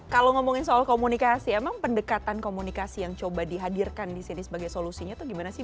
kalau ngomongin soal komunikasi emang pendekatan komunikasi yang coba dihadirkan di sini sebagai solusinya itu gimana sih